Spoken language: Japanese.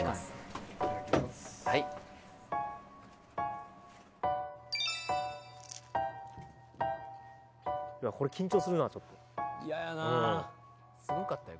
はいこれ緊張するなちょっと・嫌やなあすごかったよ